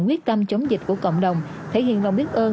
quyết tâm chống dịch của cộng đồng thể hiện lòng biết ơn